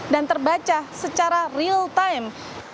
dan terbaca secara real time